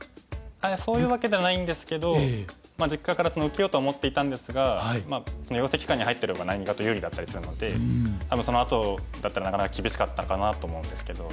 いやそういうわけではないんですけど実家から受けようと思っていたんですがその養成機関に入ってる方が何かと有利だったりするのでそのあとだったらなかなか厳しかったかなと思うんですけど。